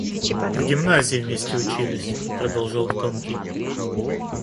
— В гимназии вместе учились! — продолжал тонкий.